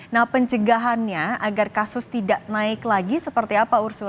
nah pencegahannya agar kasus tidak naik lagi seperti apa ursul